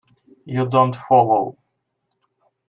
You don't follow.